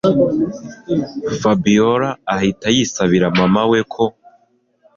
Fabiora ahita yisabira mama we ko